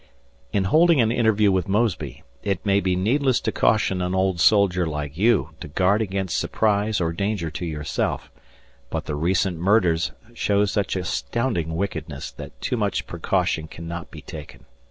In holding an interview with Mosby, it may be needless to caution an old soldier like you to guard against surprise or danger to yourself; but the recent murders show such astounding wickedness that too much precaution cannot be taken.